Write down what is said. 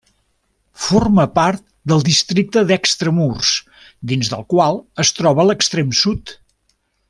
Forma part de districte d'Extramurs, dins del qual es troba a l'extrem sud.